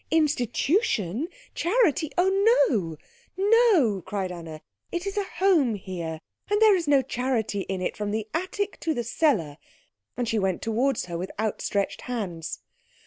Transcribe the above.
"Institution? Charity? Oh no, no!" cried Anna. "It is a home here, and there is no charity in it from the attic to the cellar." And she went towards her with outstretched hands.